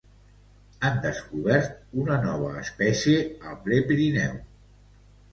Han descobert una nova espècie al Prepirineu.